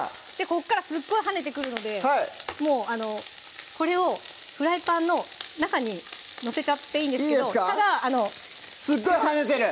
ここからすっごい跳ねてくるのでもうこれをフライパンの中に載せちゃっていいんですけどただすっごい跳ねてる！